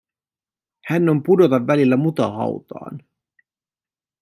Hän on pudota välillä mutahautaan.